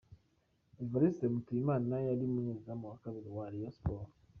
Evariste Mutuyimana yari umunyezamu wa kabiri wa Rayon Sports.